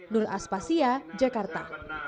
nur aspasya jakarta